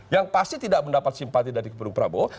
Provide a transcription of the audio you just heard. yang pasti tidak mendapat simpati dari pendukung prabowo